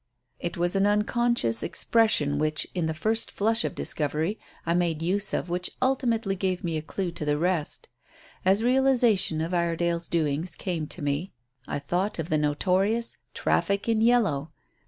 "It was an unconscious expression which, in the first flush of discovery I made use of which ultimately gave me a clue to the rest. As realization of Iredale's doings came to me I thought of the notorious 'Traffic in Yellow.'